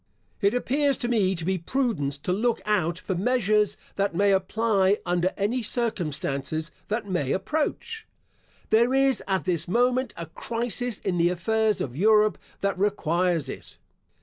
It appears to me to be prudence to look out for measures that may apply under any circumstances that may approach. There is, at this moment, a crisis in the affairs of Europe that requires it.